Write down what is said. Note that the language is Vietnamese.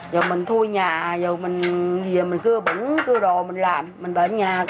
giờ mình thui nhà giờ mình cưa bẩn cưa đồ mình làm mình bệnh nhà